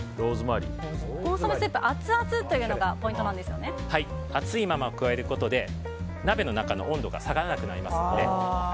コンソメスープアツアツというのが熱いまま加えることで鍋の中の温度が下がらなくなりますので。